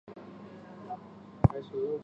改翰林院庶吉士。